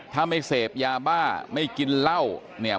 ถ้าไม่เสพยาบ้าไม่กินเหล้าเนี่ย